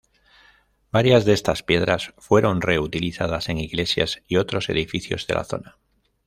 Varias de estas piedras fueron reutilizadas en iglesias y otros edificios de la zona.